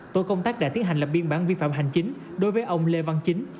tội công tác đã tiến hành làm biên bản vi phạm hành chính đối với ông lê văn chính